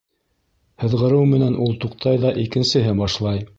Һыҙғырыу менән ул туҡтай ҙа, икенсеһе башлай.